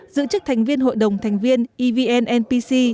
giữ chức thành viên hội đồng thành viên evn npc